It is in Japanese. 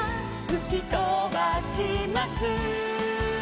「ふきとばします」